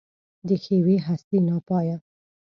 د ښېوې هستي ناپایه